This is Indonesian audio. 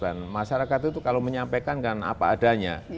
dan masyarakat itu kalau menyampaikan kan apa adanya